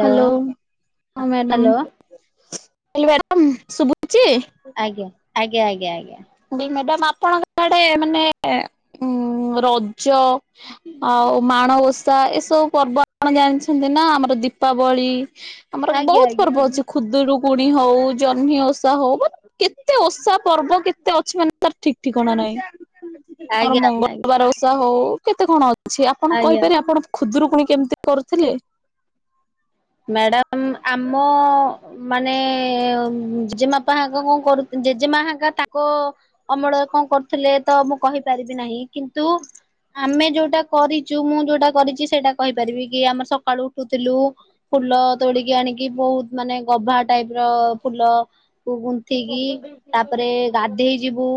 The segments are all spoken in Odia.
ହ୍ୟାଲୋ ହ ମ୍ୟାଡାମ ହ୍ୟାଲୋ [unintelligible] ଶୁଭୁଛି ଆଜ୍ଞା ଆଜ୍ଞା ଆଜ୍ଞା ଆଜ୍ଞା। ମ୍ୟାଡାମ ଆପଣଙ୍କ ଆଡେ ମାନେ ଉ ରଜ ଆ ଆଉ ମାଣବସା ଏସବୁ ପର୍ବ ଆପଣ ଜାଣିଛନ୍ତି ନା ଆମର ଦୀପାବଳି ଆମର ଆଜ୍ଞା ବହୁତ ପର୍ବ ଆଜ୍ଞା ଅଛି ଖୁଦୁରୁ କୁଣି ହଉ ଜହ୍ନି ଓଷା ହଉ କେତେ ଓଷା ପର୍ବ କେ କେତେ ଅଛି ମାନେ ତାର ଠିକ ଠିକଣା ନାହିଁ ଆମର ଆଜ୍ଞା ଆଜ୍ଞା ଆଜ୍ଞା ମଙ୍ଗଳବାର ଓଷା ହଉ କେତେ କଣ ଅ ଛି ଆପଣ ଆଜ୍ଞା କହିପାରିବେ ଆପଣ ଖୁଦରୁକୁଣି କେମିତି କରୁଥିଲେ? ମ୍ୟାଡ଼ାମ ଆମ ମାନେ ଜେଜେମାପାଙ୍କ କଣ କରୁ ଜେଜେମାଙ୍କା ତାଙ୍କ ଅମଳ କଣ କରୁଥିଲେ ତ ମୁଁ କହିପାରିବି ନାହିଁ କିନ୍ତୁ ଆମେ ଯୋଉଟା କରିଛୁ ମୁଁ ଯୋଉଟା କରିଛି ସେଇଟା କହିପାରିବି କି ଆମର ସକାଳୁ ଉଠୁଥିଲୁ ଫୁଲ ତୋଡିକି ଆଣିକି ବହୁତ ମାନେ ଗଭା ଟାଇପ ର ଫୁଲ କ ଗୁନ୍ଥିକି ତାପରେ ଗାଧେଇ ଯିବୁ।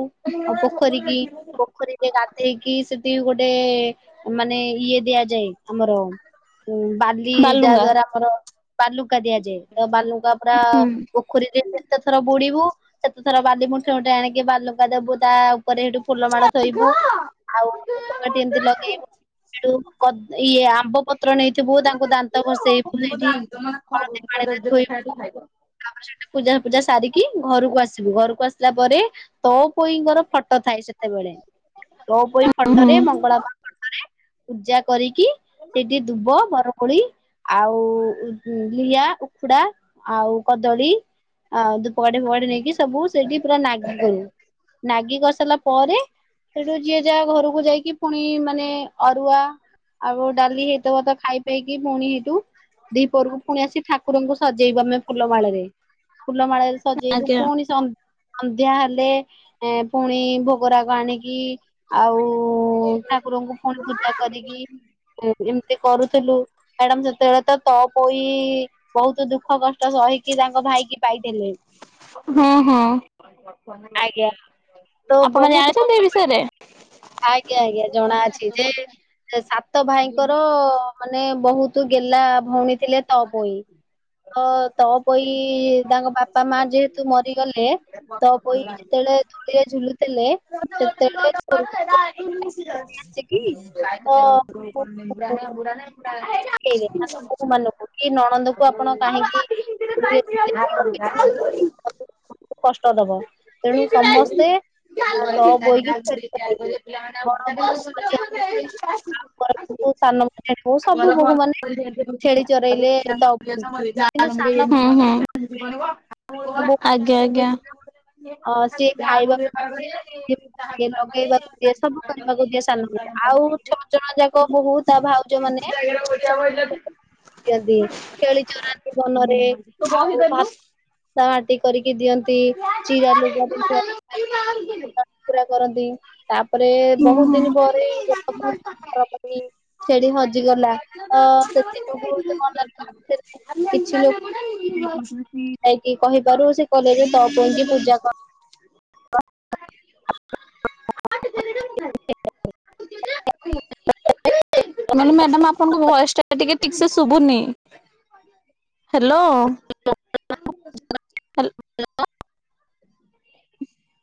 ଆଉ ପୋଖରୀ କି ପୋଖରୀରେ ଗାଧେଇକି ସେଠି ଗୋ ପଡେ ମାନେ ଇଏ ଦିଆଯାଏ ଆମର ଉ ବାଲି ଯା ବାଲୁଙ୍ଗା ଦ୍ଵାରା ଆମର ବାଲୁକା ଦିଆଯାଏ ତ ବାଲୁକା ପୁରା ହୁଁ। ପୋଖରୀରେ କେତେ ଥର ବୁଡିବୁ ସେତେ ଥର ବାଲି ମୁଠେ ମୁଠେ ଆଣିକି ବାଲୁଙ୍କା ଦେବୁ ତା ଉପରେ ସେଠୁ ଫୁଲ ମାଡ଼ ଥୋଇବୁ। ଆଉ ଧୂପକାଠି ଏମତି ଲଗେଇବୁ ଆଉ କଦ ଇଏ ଆମ୍ବ ପତ୍ର ନେଇଥିବୁ ତାଙ୍କୁ ଦାନ୍ତ ଘଷେଇ ଏଇଠି ହଳଦୀ ପାଣିରେ ଧୋଇବୁ। ତାପରେ ସେଠି ପୂଜା ପୂଜା ସାରିକି ଘରକୁ ଆସିବୁ ଘରକୁ ଆସିଲା ପରେ ତୋ ପୋଇଙ୍କର ଫଟୋ ଥାଏ ସେତେବେଳେ ତୋପୋଇ ହୁଁ ଫଟୋରେ ମଙ୍ଗଳବାର ଫଟୋରେ ପୂଜା କରିକି ସେଇଠି ଦୁବ ବରକୋଳି ଆଉ ଲି ଲିଆ ଉଖୁ ଉଖୁଡ଼ା ଆଉ କଦଳୀ ଆଉ ଧୂପକାଠି ଫୁପକାଠି ନେଇକି ସବୁ ସେଇଠି ପୁରା ନାଗି କରିବୁ। ନାଗି କରି ସାରିଲା ପରେ ସେଠୁ ଯିଏ ଯାହା ଘରକୁ ଯାଇକି ପୁଣି ମାନେ ଅରୁଆ ଆଉ ଡାଲି ହେଇଥିବ ତ ଖାଇପଇକି ପୁଣି ହେଇଠୁ ଦି ପହରକୁ ପୁଣି ଆସି ଠାକୁରଙ୍କୁ ସଜେଇବୁ ଆମେ ଫୁଲମାଳରେ ଫୁଲମାଳ ସଜେଇବୁ ଆଜ୍ଞା ପୁଣି ସନ୍ ସନ୍ଧ୍ୟା ହେଲେ ଏଁ ପୁଣି ଭୋଗରାଗ ଆଣିକି ଆଉ ଉ ଠାକୁରଙ୍କୁ ପୁଣି ପୂଜା କରିକି ଏମତି କରୁଥିଲୁ ମ୍ୟାଡାମ ସେ ତେବେଳେ ତ ତୋ ପୋଇ ବହୁତ ଦୁଃଖ କଷ୍ଟ ସହିକି ତାଙ୍କ ଭାଇକି ପାଇଥିଲେ। ହୁଁ ହୁଁ। ଆଜ୍ଞା ତ ଆପଣ ବହୁତ ଜାଣିଛନ୍ତି କଷ୍ଟ ଏ ବିଷୟରେ। ଆଜ୍ଞା ଆଜ୍ଞା ଜଣାଅଛି ଯେ ସାତ ଭାଇଙ୍କର ମାନେ ବହୁତ ତୁ ଗେଲ୍ହା ଭଉଣୀ ଥିଲେ ତ ପୋଇ। ତ ତପୋଇ ତାଙ୍କ ବାପା ମା ଯେହେତୁ ମରିଗଲେ ତ ପୋଇ ଯେତେବେଳେ ଦୋଳି ଏ ଝୁଲୁଥିଲେ ସେତେବେଳେ ସ୍ୱରୂପ [inaudible] ଶିଖେଇଲେ ତାଙ୍କ ବୋହୂ ମାନଙ୍କୁ କି ନଣନ୍ଦକୁ ଆପଣ [inaudible] କାହିଁକି ଦୋଳିରେ ଝୁଲେଇକି ରଖିଛନ୍ତି ତ ସେ ତମକୁ [inaudible] କଷ୍ଟ ଦବ ତେଣୁ ସମସ୍ତେ। [unintelligible] [unintelligible] ସବୁ ବୋହୁ ମାନେ ଛେଳି ଚରେଇଲେ ଆଜ୍ଞା ଆଜ୍ଞା ତ ହୁଁ ହୁଁ। ମୁଁ କିନ୍ତୁ ସାନ। [unintelligible] ଅ ସିଏ ଖାଇବାକୁ ଦିଏ ପିନ୍ଧିବାକୁ ଦିଏ ଲଗେଇବାକୁ ଦିଏ ସବୁ କରିବାକୁ ଦିଏ ସାନ। ଆଉ ଛଅ ଜଣ ଯାକ ବୋହୁ ତା ଭାଉଜ ମାନେ ସେମାନଙ୍କୁ [unintelligible] ଦିଅନ୍ତି ଛେଳି ଚରାନ୍ତି ବନରେ ଆଉ ଭା ତା ମାଟି କରିକି ଦିଅନ୍ତି ଚିରା ଲୁଗା ପିନ୍ଧିବା କରନ୍ତି ତାପରେ ବହୁତ ଦିନପରେ। କହିଲି [unintelligible] ଛେଳି ହଜିଗଲା ଅ ସେଥି ଯୋଗୁ [unintelligible] କିଛି ଲୋ ଯାଇକି କହିବାରୁ ସେ କଲେଜ ତପୋଇକି ପୂଜା କ [unintelligible] ମାନେ ମ୍ୟାଡାମ ଆପଣଙ୍କ ଭଏସ ଟା ଟିକେ ଟିକ ସେ ଶୁଭୁନି ହ୍ୟାଲୋ। ହେଲ୍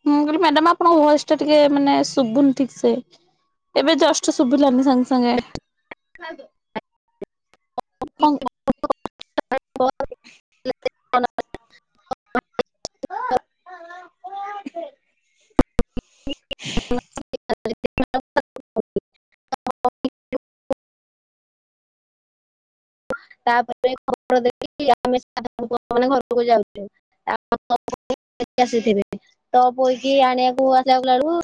ମୁଁ କହିଲି ମ୍ୟାଡାମ ଆପଣଙ୍କ ଭଏସ ଟା ଟିକେ ମାନେ ଶୁଭୁନି ଠିକ ସେ। ଏବେ ଜଷ୍ଟ କଂ [unintelligible] [unintelligible] [unintelligible] [unintelligible] ଏ ଆସିଥିବେ ତ ପୋଇକି ଆଣିବାକୁ ଆସିଲା ବେଳକୁ